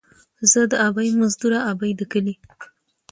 ـ زه دې ابۍ مزدوره ، ابۍ دې کلي.